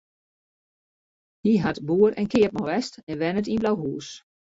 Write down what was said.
Hy hat boer en keapman west en wennet yn Blauhús.